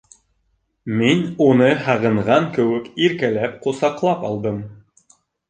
Мин уны һағынған кеүек, иркәләп ҡосаҡлап алдым.